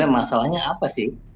masalahnya apa sih